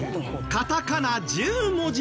カタカナ１０文字。